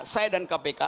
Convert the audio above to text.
saya dan kpk